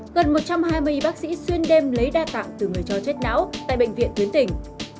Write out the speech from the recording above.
gần một trăm hai mươi bác sĩ xuyên đêm lấy đa tạng từ người cho chết não tại bệnh viện tuyến tỉnh